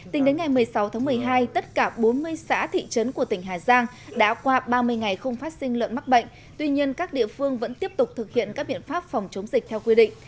tính đến ngày một mươi sáu tháng một mươi hai tất cả bốn mươi xã thị trấn của tỉnh hà giang đã qua ba mươi ngày không phát sinh lợn mắc bệnh tuy nhiên các địa phương vẫn tiếp tục thực hiện các biện pháp phòng chống dịch theo quy định